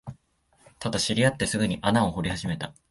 ただ、知り合ってすぐに穴を掘り始めた